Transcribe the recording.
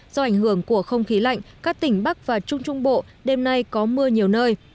do ảnh hưởng của không khí lạnh các tỉnh bắc và trung trung bộ đêm nay có mưa nhiều nơi